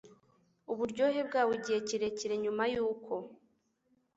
uburyohe bwawo igihe kirekire nyuma y’uko